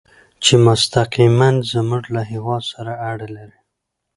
چې مستقیماً زموږ له هېواد سره اړه لري.